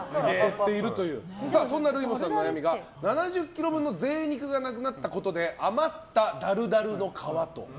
そんなルイボスさんの悩みが７０ｋｇ分の贅肉がなくなったことで余っただるだるの皮と。